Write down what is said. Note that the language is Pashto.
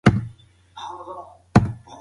هر کرکټر د ټولنې د یوې برخې استازیتوب کوي.